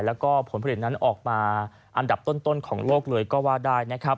แล้วก็ผลผลิตนั้นออกมาอันดับต้นของโลกเลยก็ว่าได้นะครับ